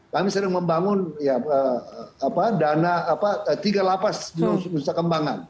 kami sedang membangun dana tiga lapas di nusa kembangan